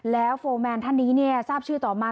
แล้วโฟร์แมนท่านนี้ทราบชื่อต่อมา